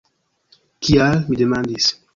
Kial? mi demandis.